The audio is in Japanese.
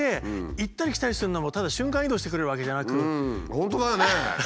本当だよね。